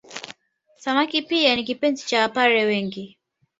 Samaki pia ni kipenzi cha Wapare wengi